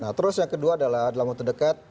nah terus yang kedua adalah dalam waktu dekat